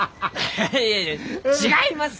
いやいやいや違いますき！